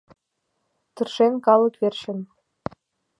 Тыршен калык верчын.